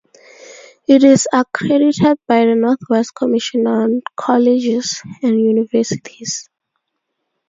It is accredited by the Northwest Commission on Colleges and Universities.